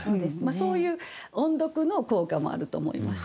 そういう音読の効果もあると思います。